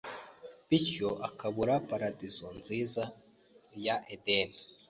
bityo akabura Paradiso nziza ya Edeni,